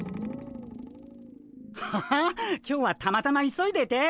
ハハ今日はたまたま急いでて。